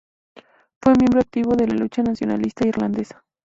Fue miembro activo de la lucha nacionalista irlandesa.